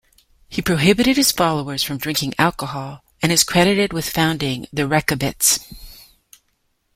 He prohibited his followers from drinking alcohol, and is credited with founding the Rechabites.